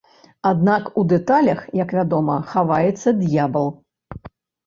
Аднак у дэталях, як вядома, хаваецца д'ябал.